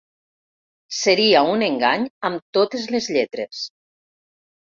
Seria un engany amb totes les lletres.